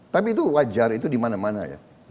tapi itu wajar itu dimana mana ya